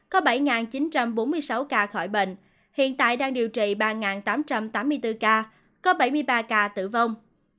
có bảy chín trăm bốn mươi sáu ca khỏi bệnh hiện tại đang điều trị ba tám trăm tám mươi bốn ca có bảy mươi ba ca tử vong